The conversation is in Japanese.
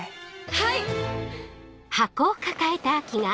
はい！